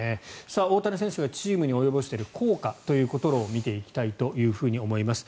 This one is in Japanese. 大谷選手がチームに及ぼしている効果を見ていきたいと思います。